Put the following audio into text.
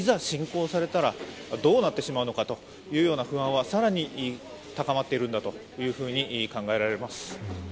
侵攻されたらどうなってしまうのかというような不安は更に高まっているんだと考えられます。